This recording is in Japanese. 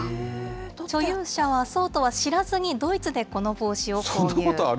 所有者はそうとは知らずにドイツでこの帽子を購入。